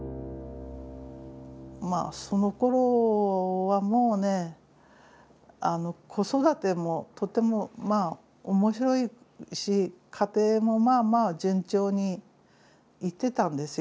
まあそのころはもうね子育てもとてもまあ面白いし家庭もまあまあ順調にいってたんですよ。